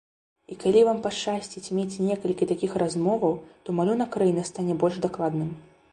І калі вам пашчасціць мець некалькі такіх размоваў, то малюнак краіны стане больш дакладным.